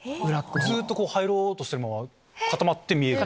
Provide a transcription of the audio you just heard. ずっと入ろうとしてるまま固まって見える。